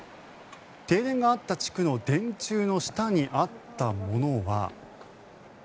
停電があった地区の電柱の下にあったものは。